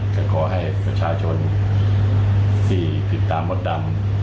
แต่ขอให้ประชาชนที่ติดตามมดดำ